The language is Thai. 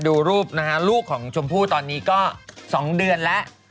ดูรูปนะฮะลูกของชมพู่ตอนนี้ก็๒เดือนแล้ว